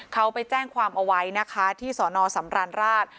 เขาไปแจ้งความเอาไว้ที่สนสำรรรดิ์ราช